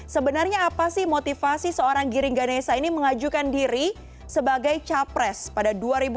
sebenarnya apa sih motivasi seorang giring ganesa ini mengajukan diri sebagai capres pada dua ribu dua puluh